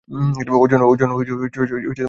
ওর জন্য টাকা জমিয়েছি আমি।